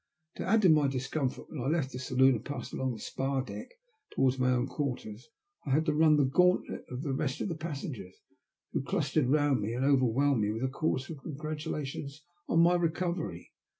To add to my discomfort, when I left the saloon and passed along the spar deck towards my own quarters I had to run the gauntlet of the rest of the passengers, who clustered round me, and over whelmed me with a chorus of congratulations on my recovery.